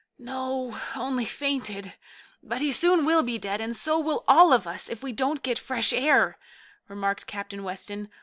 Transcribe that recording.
"No, only fainted. But he soon will be dead, and so will all of us, if we don't get fresh air," remarked Captain Weston.